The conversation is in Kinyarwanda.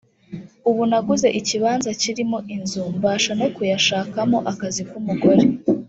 ubu naguze ikibanza kirimo inzu mbasha no kuyashakamo akazi k’umugore’’